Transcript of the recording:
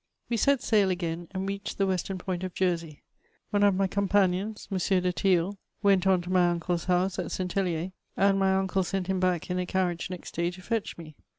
We set sail again, and reached the western point of Jersey. One of my companions, M. de Tillenl, went on to my nude's house at St HeHer, and my unde sent him back in a caniage next day to fetch me.